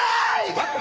待って。